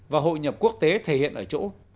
và hội nhập quốc tế thể hiện ở chỗ